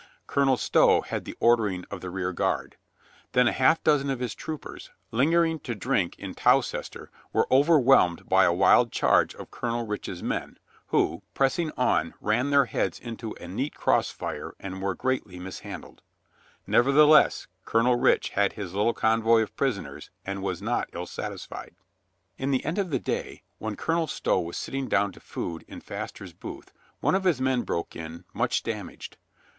Colonel Stow had the ordering of the rear guard. Then a half dozen of his troopers, lingering to drink in Towces ter, were overwhelmed by a wild charge of Colonel Rich's men, who, pressing on, ran their heads into a neat crossfire and were greatly mishandled. Nev 296 COLONEL GREATHEART ertheless, Colonel Rich had his little convoy of pris oners and was not ill satisfied. In the end of the day, when Colonel Stow was sitting down to food in Paster's Booth, one of his men broke in, much damaged.